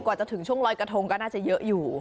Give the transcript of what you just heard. เชื่อกว่าจะถึงช่วงรอยกระทงก็น่าจะเยอะอยู่